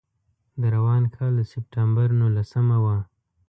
د روان کال د سپټمبر نولسمه وه.